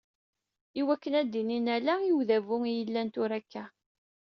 Iwakken ad d-inin ala i udabu-a i yellan tura akka.